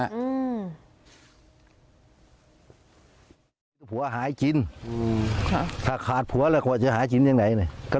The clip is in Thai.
ผัวหายจิ้นถ้าขาดผัวแล้วจะหายจิ้นอย่างไหนน่ะ